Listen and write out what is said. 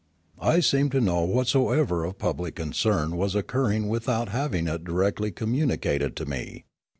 I seemed to know whatsoever of public concern was occurring without having it directly communicated to me.